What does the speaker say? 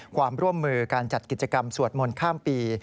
ความร่วมมือการจัดกิจกรรมสวดมนต์ข้ามปี